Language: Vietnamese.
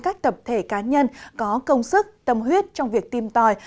các tập thể cá nhân có công sức tâm huyết trong việc tìm tòi